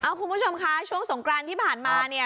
คุณผู้ชมคะช่วงสงกรานที่ผ่านมาเนี่ย